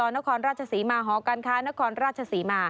อนรศมาหกศนรศมา